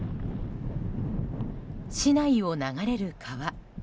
市内を流れる川。